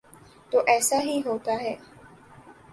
تو ایسا ہی ہوتا ہے۔